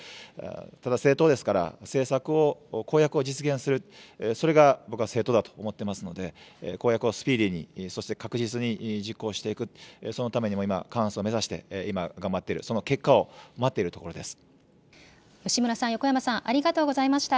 ただ、政党ですから、政策を、公約を実現する、それが僕は政党だと思ってますので、公約をスピーディーに、そして確実に実行していく、そのためにも今、過半数を目指して今、頑張っている、その結果を待っているところ吉村さん、横山さん、ありがとうございました。